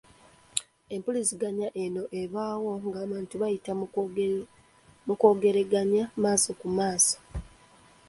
Empuliziganya eno ebaawo ng’abantu bayita mu kwogereganya maaso ku maaso.